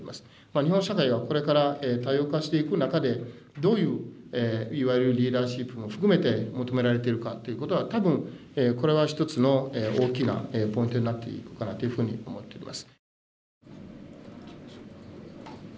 日本社会はこれから多様化していく中でどういういわゆるリーダーシップも含めて求められてるかっていうことは多分これは一つの大きなポイントになっていくかなというふうに思っています。